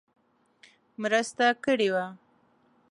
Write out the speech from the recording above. مرسته کړې وه.